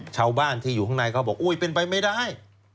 ชาวบ้านที่อยู่ข้างในเขาบอกอุ๊ยเป็นไปไม่ได้